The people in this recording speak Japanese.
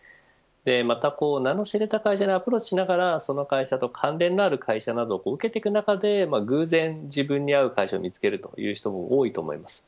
また名の知れた会社にアプローチしながらその会社と関連がある会社などを受けていく中で偶然、自分に合う会社を見つけるという人も多いと思います。